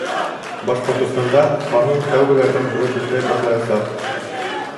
Башҡортостанда ҡанун тәүгеләрҙән булып эшләй башлаясаҡ.